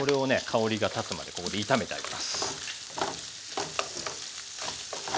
香りがたつまでここで炒めてあげます。